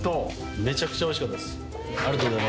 めちゃくちゃおいしかったです。